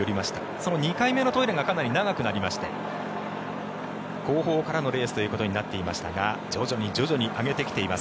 その２回目のトイレがかなり長くなりまして後方からのレースとなっていましたが徐々に上げてきています。